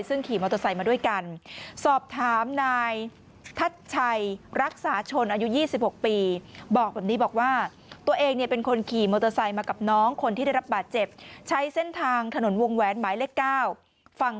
ซึ่งขี่มอเตอร์ไซค์มาด้วยกัน